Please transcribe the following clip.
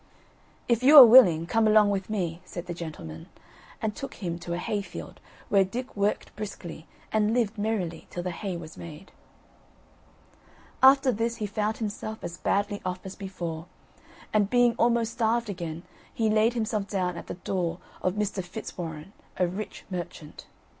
"If you are willing, come along with me," said the gentleman, and took him to a hay field, where Dick worked briskly, and lived merrily till the hay was made. After this he found himself as badly off as before; and being almost starved again, he laid himself down at the door of Mr. Fitzwarren, a rich merchant.